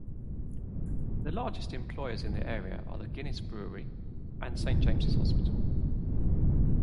The largest employers in the area are the Guinness Brewery and Saint James's Hospital.